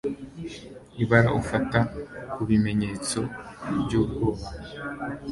ibara ufata kubimenyetso byubwoba